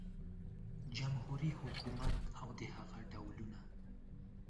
جمهوري حکومت او د هغه ډولونه